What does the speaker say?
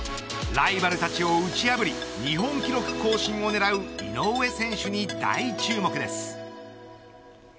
ライバルたちを打ち破り日本記録更新を狙う井上選手に大注目です。